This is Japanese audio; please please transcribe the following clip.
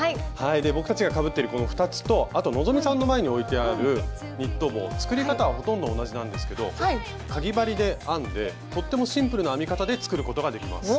で僕たちがかぶってるこの２つとあと希さんの前に置いてあるニット帽作り方はほとんど同じなんですけどかぎ針で編んでとってもシンプルな編み方で作ることができます。